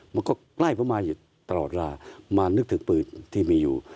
มันก็ไล่มาตลอดลามานึกถึงปืนที่มีอยู่